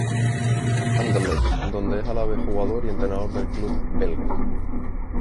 Anderlecht, donde es a la vez jugador y entrenador del club belga.